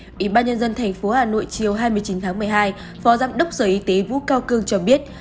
ủy ban nhân dân tp hà nội chiều hai mươi chín tháng một mươi hai phó giám đốc sở y tế vũ cao cương cho biết